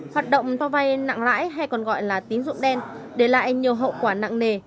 hoạt động cho vay nặng lãi hay còn gọi là tín dụng đen để lại nhiều hậu quả nặng nề